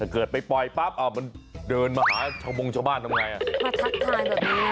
เกิดไปปล่อยป้าบเอาไปเดินมาหาช่องบุงชาวบ้านทำไมไง